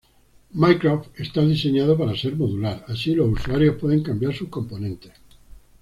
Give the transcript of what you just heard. Mycroft está diseñado para ser modular, así los usuarios pueden cambiar sus componentes.